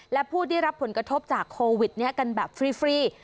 และผู้ได้รับผลกระทบจากโควิดนี้กันแบบฟรี